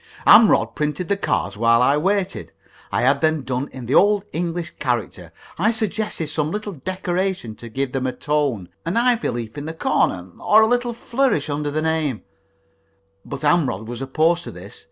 Amrod printed the cards while I waited. I had them done in the Old English character. I suggested some little decoration to give them a tone, an ivy leaf in the corner, or a little flourish under the name, but Amrod was opposed to this.